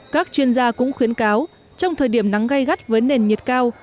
các chuyên gia cũng khuyến cáo trong thời điểm nắng gây gắt với nền nhiệt cao